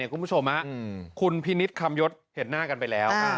คุณผู้ชมคุณพินิษฐ์คำยศเห็นหน้ากันไปแล้ว